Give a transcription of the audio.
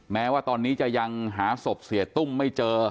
แม้ว่าตอนนี้จะยังหาศพเสียตุ้มไม่เจอ